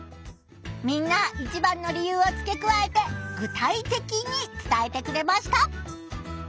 みんな一番の理由をつけくわえて具体的に伝えてくれました。